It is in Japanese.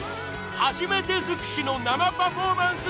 初めて尽くしの生パフォーマンス